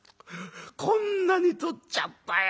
こんなに取っちゃったよおい。